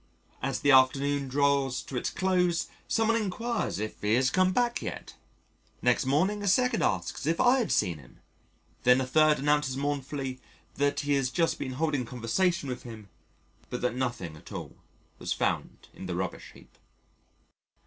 As the afternoon draws to its close someone enquires if he has come back yet; next morning a second asks if I had seen him, then a third announces mournfully that he has just been holding conversation with him, but that nothing at all was found in the rubbish heap.